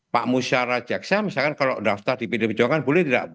pak musyara jaksa misalkan kalau daftar di pd perjuangan boleh tidak